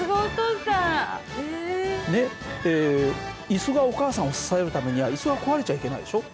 イスがお母さんを支えるためにはイスは壊れちゃいけないでしょ。